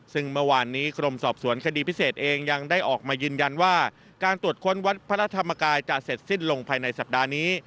ซึ่งเมื่อวานนี้กรมสอบสวนคดีพิเศษเองยังได้ออกมายืนยันว่าการตรวจค้นวัดพระธรรมกายจะเสร็จสิ้นลงภายในสัปดาห์นี้